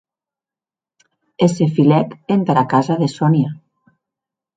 E se filèc entara casa de Sonia.